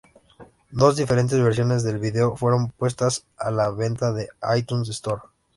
Dos diferentes versiones del video fueron puestas a la venta en iTunes Store.